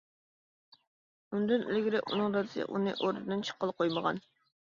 ئۇندىن ئىلگىرى ئۇنىڭ دادىسى ئۇنى ئوردىدىن چىققىلى قويمىغان.